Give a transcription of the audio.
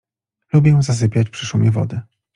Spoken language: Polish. Lubię zasypiać przy szumie wody.